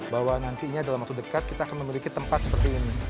bahwa nantinya dalam waktu dekat kita akan memiliki tempat seperti ini